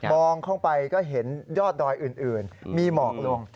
มองเข้าไปก็เห็นยอดดอยอื่นมีหมอกลง